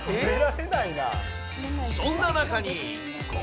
そんな中に。